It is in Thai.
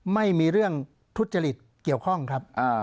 ไม่มีเรื่องทุจริตเกี่ยวข้องครับ